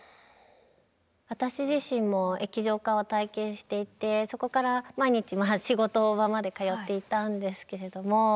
私自身も液状化を体験していてそこから毎日仕事場まで通っていたんですけれども。